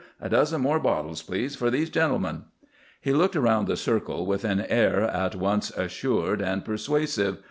A dozen more bottles, please, for these gentlemen." He looked around the circle with an air at once assured and persuasive.